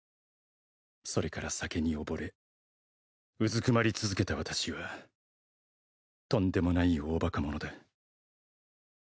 「それから酒に溺れうずくまり続けた私はとんでもない大バカ者だ」